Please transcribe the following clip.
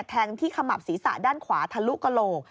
แทงที่ขมับศีรษะด้านขวาทะลุกระโหลก